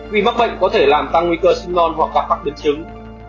vì mắc bệnh có thể làm tăng nguy cơ sinh non hoặc gặp các biến chứng